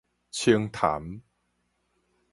青潭